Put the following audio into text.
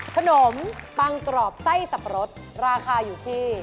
ขนมปังกรอบไส้สับปะรดราคาอยู่ที่